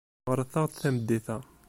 Ɣret-aɣ-d tameddit-a.